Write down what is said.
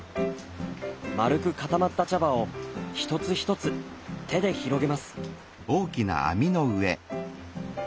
丸く固まった茶葉を一つ一つ手で広げます。